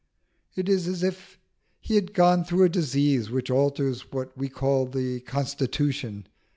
It is as if he had gone through a disease which alters what we call the constitution.